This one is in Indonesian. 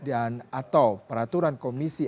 dan atau peraturan komisi